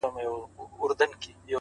• خره چی دا خبری واورېدې حیران سو ,